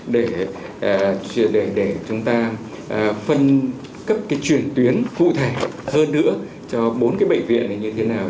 để chúng ta phân cấp cái chuyển tuyến cụ thể hơn nữa cho bốn cái bệnh viện này như thế nào